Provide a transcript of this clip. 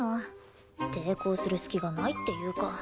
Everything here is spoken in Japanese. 抵抗する隙がないっていうか。